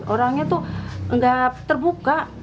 orangnya tuh nggak terbuka